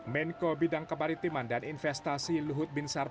menko bidang kebaritiman dan investasi luhut bin sarawak